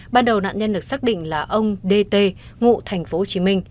ban đầu nạn nhân được xác định là ông d t ngụ tp hcm